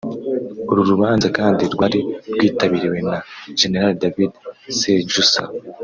uru rubanza kandi rwari rwitabiriwe na General David Sejusa